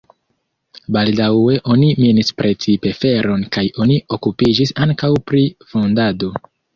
Baldaŭe oni minis precipe feron kaj oni okupiĝis ankaŭ pri fandado.